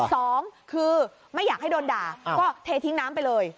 สองคือไม่อยากให้โดนด่าก็เททิ้งน้ำไปเลย